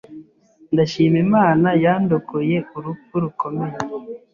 ndashima Imana yandokoye urupfu rukomeye